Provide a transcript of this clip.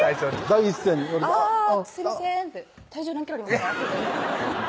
第一声に言われて「すいません」って「体重何キロありますか？」